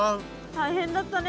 大変だったね